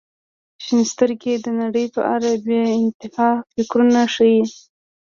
• شنې سترګې د نړۍ په اړه بې انتها فکرونه ښیي.